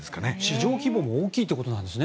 市場規模も大きいということですね。